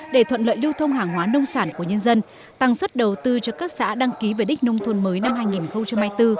để thuận lợi lưu thông hàng hóa nông sản của nhân dân tăng suất đầu tư cho các xã đăng ký về đích nông thôn mới năm hai nghìn hai mươi bốn